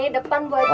di depan buat kita